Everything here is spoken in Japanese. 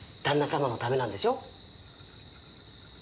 さまのためなんでしょ？